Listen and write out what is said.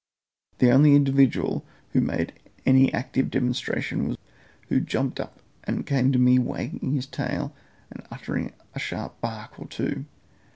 The only individual who made any active demonstration was Gyp, who jumped up and came to me wagging his tail and uttering a sharp bark or two.